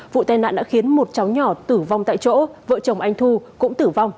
vụ tai nạn đã khiến một cháu nhỏ tử vong tại chỗ vợ chồng anh thu cũng tử vong